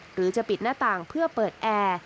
หรือจะปิดหน้าต่างเพื่อเปิดแอร์